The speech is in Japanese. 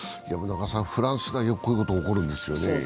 フランスではよくこういうこと起きるんですよね？